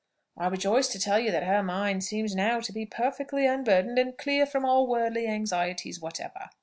I rejoice to tell you that her mind seems now to be perfectly unburdened and clear from all worldly anxieties whatever."